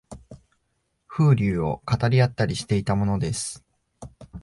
風流を語り合ったりしていたものです